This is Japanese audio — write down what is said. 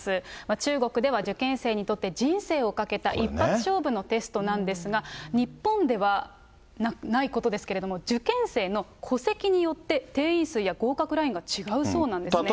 中国では受験生にとって、人生を懸けた一発勝負のテストなんですが、日本では、ないことですけれども、受験生の戸籍によって、定員数や合格ラインが違うそうなんですね。